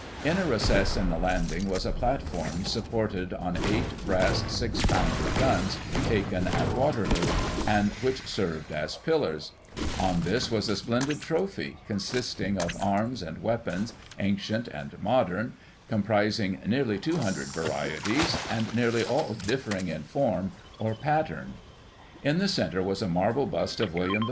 " In a recess on the landing was a platform supported on eight brass six pounder guns, taken at Waterloo, and which served as pillars. On this was a splendid trophy, Digiti ized by Google 1841] FIRE AT THE TOWER. 173 consisting of arms and weapons, ancient and modern, com prising nearly 200 vai*ieties, and nearly all differing in form or pattern. In the centre was a marble bust of William IV.